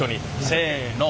せの。